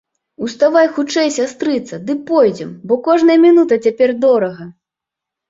Уставай хутчэй, сястрыца, ды пойдзем, бо кожная мінута цяпер дорага!